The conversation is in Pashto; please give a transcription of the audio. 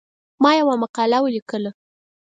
ما یوه مقاله ولیکله.